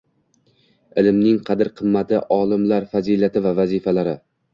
Ilmning qadr-qiymati, olimlar fazilati va vazifalari.